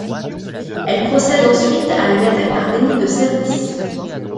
Elle procède ensuite à une attaque par déni de service.